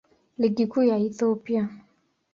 Ligi Kuu ya Ethiopia.